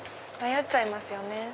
迷っちゃいますよね。